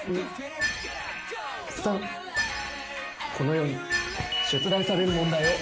このように出題される問題を。